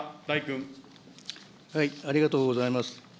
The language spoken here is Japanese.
ありがとうございます。